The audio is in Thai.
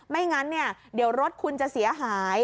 ไม่งั้นเดี๋ยวรถคุณจะเสียหาย